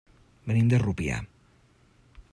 Venim de Rupià.